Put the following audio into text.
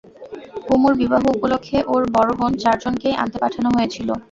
কুমুর বিবাহ উপলক্ষে ওর বড়ো বোন চারজনকেই আনতে পাঠানো হয়েছিল।